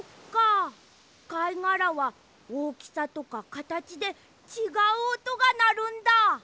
かいがらはおおきさとかかたちでちがうおとがなるんだ！